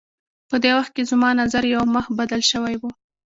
په دې وخت کې زما نظر یو مخ بدل شوی و.